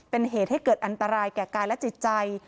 เป็นเหตุให้เกิดอันตรายแก่กายและจิตใจ